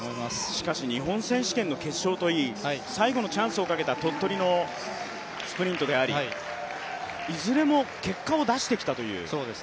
しかし日本選手権の決勝といい、最後のチャンスをかけた鳥取のスプリントでありいずれも結果を出してきたという。